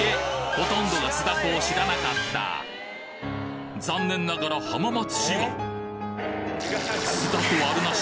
ほとんどが酢だこを知らなかった残念ながら浜松市は酢だこあるなし